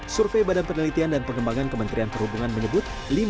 survei badan penelitian dan pengembangan kementerian perhubungan menyebut